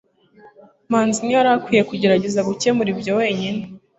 Manzi ntiyari akwiye kugerageza gukemura ibyo wenyine.